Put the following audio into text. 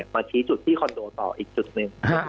มาชี้จุดที่คอนโดต่ออีกจุดหนึ่ง